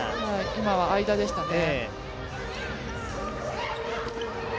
今は間でしたね。